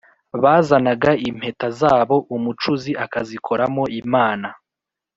Bazanaga impeta zabo, umucuzi akazikoramo imana